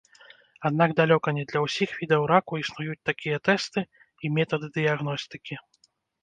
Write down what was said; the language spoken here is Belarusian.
Аднак далёка не для ўсіх відаў раку існуюць такія тэсты і метады дыягностыкі.